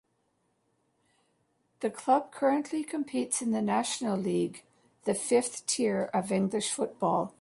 The club currently competes in the National League, the fifth tier of English football.